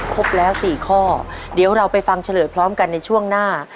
ครบแล้ว๔ข้อเดี๋ยวเราไปฟังเฉลยพร้อมกันในช่วงหน้า